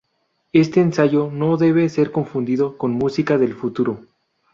Este ensayo no debe ser confundido con "Música del futuro".